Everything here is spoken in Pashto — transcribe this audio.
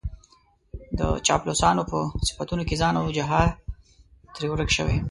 د چاپلوسانو په صفتونو کې ځان او جهان ترې ورک شوی.